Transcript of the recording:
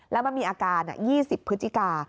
แล้วมันมีอาการ๒๐พฤศจิกา